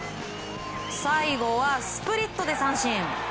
最後はスプリットで三振。